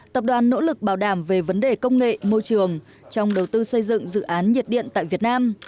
tập đoàn nỗ lực bảo đảm về vấn đề công nghệ môi trường trong đầu tư xây dựng dự án nhiệt điện tại việt nam